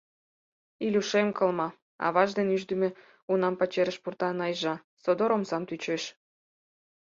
Илюшем кылма, — аваж ден ӱждымӧ унам пачерыш пурта Найжа, содор омсам тӱчеш.